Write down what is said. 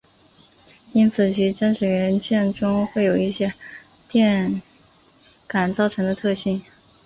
因此其真实元件中会有一些电感造成的特性。